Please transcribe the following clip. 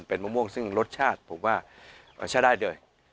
เป็นมะม่วงซึ่งรสชาติผมว่าใช้ได้เลย